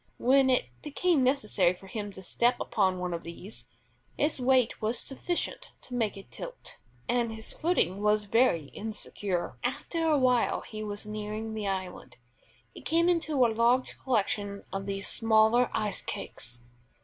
When it became necessary for him to step upon one of these, his weight was sufficient to make it tilt, and his footing was very insecure. After awhile as he was nearing the island, he came into a large collection of these smaller ice cakes.